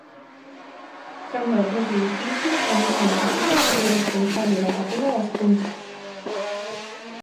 Canda ao propio edificio, o mesmo arquitecto foi responsable da Capela das Cunchas.